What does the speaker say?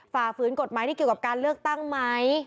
ฝ่าฝืนกฎหมายที่เกี่ยวกับการเลือกตั้งไหม